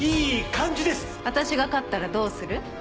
私が勝ったらどうする？